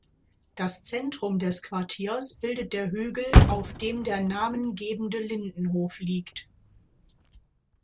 Das Zentrum des Quartiers bildet der Hügel, auf dem der namengebende Lindenhof liegt.